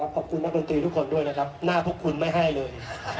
ขอบคุณนักดนตรีทุกคนด้วยนะครับหน้าพวกคุณไม่ให้เลย